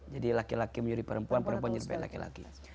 jadi laki laki menyerupai perempuan perempuan menyerupai laki laki